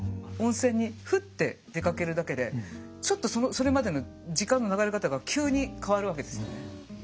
温泉にフッて出かけるだけでちょっとそれまでの時間の流れ方が急に変わるわけですよね。